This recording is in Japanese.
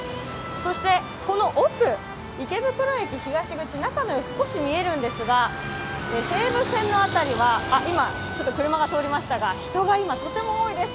そして、この奥、池袋駅東口中の様子少し見えるんですが、西武線の辺りは人がとても多いです。